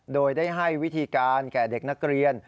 โดยได้ให้วิธีการแก่เด็กนักเรียน